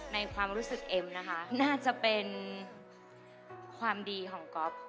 ความรู้สึกเอ็มนะคะน่าจะเป็นความดีของก๊อฟ